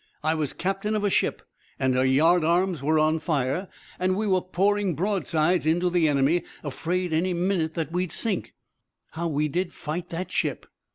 I was captain of a ship, and her yard arms were on fire, and we were pouring broadsides into the enemy, afraid any minute that we'd sink. How we did fight that ship!"